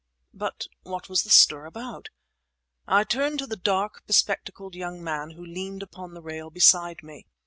But what was the stir about? I turned to the dark, bespectacled young man who leaned upon the rail beside me.